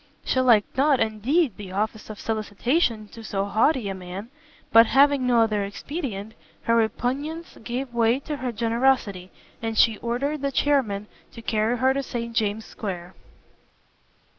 She liked not, indeed, the office of solicitation to so haughty a man, but, having no other expedient, her repugnance gave way to her generosity, and she ordered the chairmen to carry her to St James's Square.